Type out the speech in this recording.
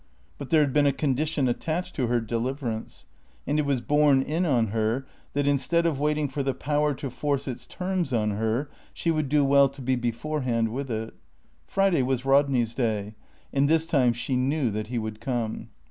But there had been a condition attached to her deliverance; and it was borne in on her that instead of waiting for the Power to force its terms on her, she would do well to be beforehand with it. Friday was Rodney's day, and this time she knew that he would come.